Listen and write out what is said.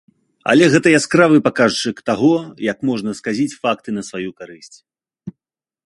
Але гэта яскравы паказчык таго, як можна сказіць факты на сваю карысць.